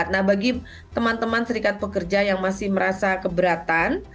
nah bagi teman teman serikat pekerja yang masih merasa keberatan